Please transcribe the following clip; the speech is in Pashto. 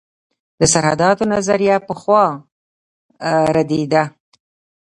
د سرحداتو نظریه پخوا ردېده.